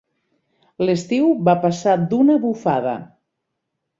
L'estiu va passar d'una bufada.